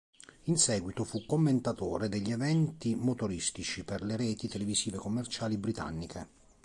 In seguito fu commentatore degli eventi motoristici per le reti televisive commerciali britanniche.